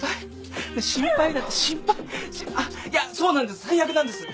あっいやそうなんです最悪なんですはい。